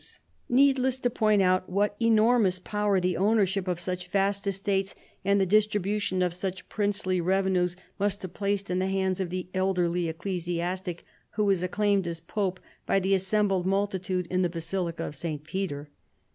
It is needless to point out what enormous power / the ownership of such vast estates and the distri bution of such princely revenues must have placed in the hands of the elderly ecclesiastic who was ac claimed as pope by the assembled multitude in the basilica of St. Peter.